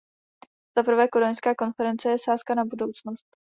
Za prvé, kodaňská konference je sázka na budoucnost.